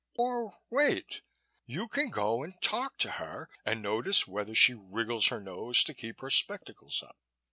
Or, wait. You can go and talk to her and notice whether she wriggles her nose to keep her spectacles up.